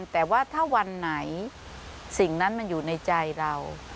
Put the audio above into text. แต่ว่าถ้าวันไหนสิ่งนั้นมันอยู่ในใจเรา